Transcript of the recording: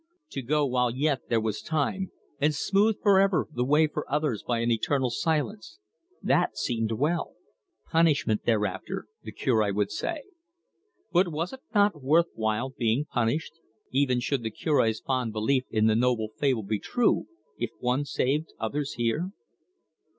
To go while yet there was time, and smooth for ever the way for others by an eternal silence that seemed well. Punishment thereafter, the Cure would say. But was it not worth while being punished, even should the Cure's fond belief in the noble fable be true, if one saved others here?